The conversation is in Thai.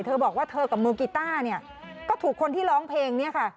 เธอบอกว่าเธอกับมือกีต้าเนี่ยก็ถูกคนที่ร้องเพลงเนี่ยค่ะ